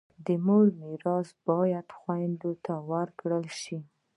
د مور میراث هم باید و خویندو ته ورکړل سي.